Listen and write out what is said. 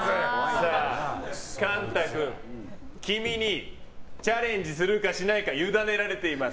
さあ、貫汰君君にチャレンジするかしないか委ねられています。